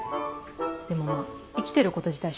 でもまぁ生きてること自体